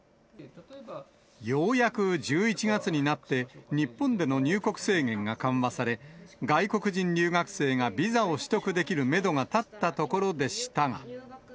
ようやく１１月になって、日本での入国制限が緩和され、外国人留学生がビザを取得できるメドが立ったところでしたが。